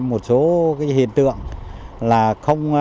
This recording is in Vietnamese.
một số hiện tượng